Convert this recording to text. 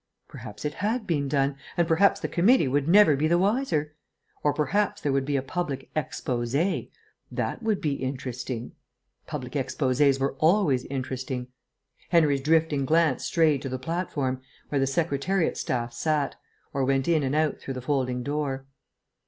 Perhaps it had been done, and perhaps the committee would never be the wiser. Or perhaps there would be a public exposé.... That would be interesting. Public exposés were always interesting. Henry's drifting glance strayed to the platform, where the Secretariat staff sat, or went in and out through the folding door.